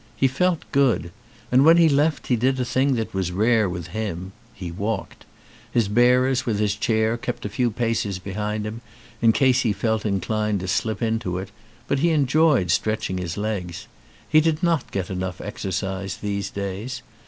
He felt good. And when he left he did a thing that was rare with him; he walked. His bearers with his chair kept a few paces behind him in case he felt inclined to slip into it, but he enjoyed stretch ing his legs. He did not get enough exercise these days.